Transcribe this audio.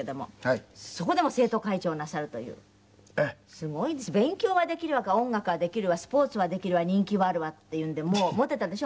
すごいです勉強はできるわ音楽はできるわスポーツはできるわ人気はあるわっていうんでもうモテたでしょ？